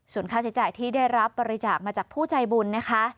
ส่วนค่าใช้จ่ายที่ได้รับบริจาคมาจากผู้ใจบุญนะคะ